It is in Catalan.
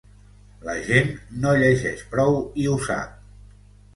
La gent no llegeix prou i ho sap.